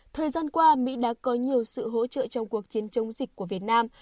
thời gian qua mỹ đã có nhiều sự hỗ trợ trong cuộc chiến chống dịch của việt nam